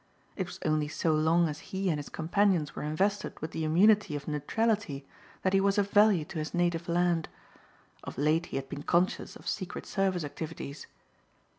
It was only so long as he and his companions were invested with the immunity of neutrality that he was of value to his native land. Of late he had been conscious of Secret Service activities.